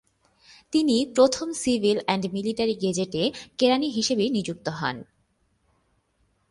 তিনি প্রথম Civil and Military Gazette এ কেরানি হিসাবে নিযুক্ত হন।